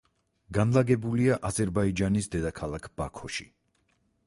განლაგებულია აზერბაიჯანის დედაქალაქ ბაქოში.